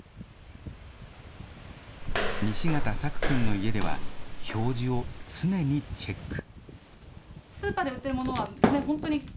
西形朔君の家では、表示を常にチェック。